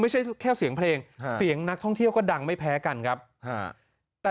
ไม่ใช่แค่เสียงเพลงฮะเสียงนักท่องเที่ยวก็ดังไม่แพ้กันครับแต่